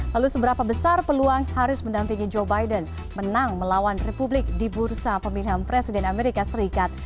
lalu seberapa besar peluang harris mendampingi joe biden menang melawan republik di bursa pemilihan presiden amerika serikat